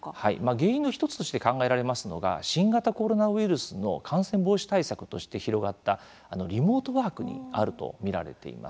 原因の１つとして考えられますのが新型コロナウイルスの感染防止対策として広がったリモートワークにあると見られています。